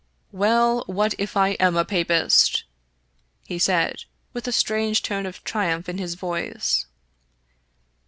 " Well, what if I am a Papist ?" he said, with a strange tone of triumph in his voice.